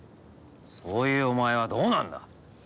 そういうお前はどうなんだ？